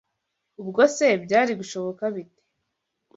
Ubwo se byari gushoboka bite